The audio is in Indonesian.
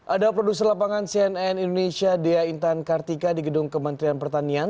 ada produser lapangan cnn indonesia dea intan kartika di gedung kementerian pertanian